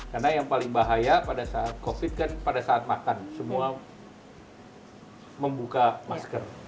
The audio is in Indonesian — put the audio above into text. karena yang paling bahaya pada saat covid kan pada saat makan semua membuka masker